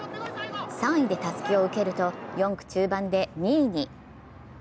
３位でたすきを受けると、４区中盤で２位に。